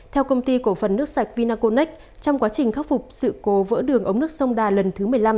theo công ty cổ phần nước sạch vinaconex trong quá trình khắc phục sự cố vỡ đường ống nước sông đà lần thứ một mươi năm